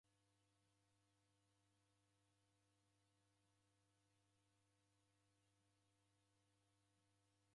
Hospitali iyo eshitakilwa kwa w'undu ghotesa w'aka w'iko na misigo.